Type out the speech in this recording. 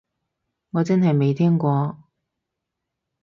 我真係未聽過